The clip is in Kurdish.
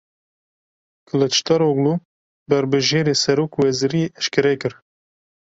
Kiliçdaroglu berbijêrê serokwezîriyê eşkere kir.